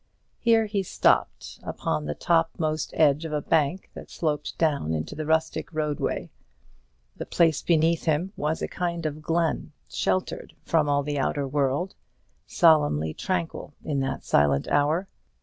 Here he stopped, upon the top most edge of a bank that sloped down into the rustic roadway. The place beneath him was a kind of glen, sheltered from all the outer world, solemnly tranquil in that silent hour.